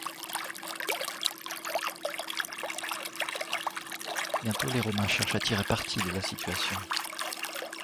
Bientôt les Romains cherchent à tirer parti de la situation.